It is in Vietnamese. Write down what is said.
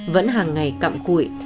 vẫn hàng ngày cặm cụi